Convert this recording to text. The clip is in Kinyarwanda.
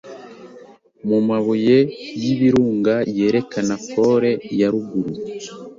mumabuye yibirunga yerekana pole ya ruguru